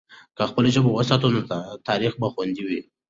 که خپله ژبه وساتو، نو تاریخ به خوندي وي.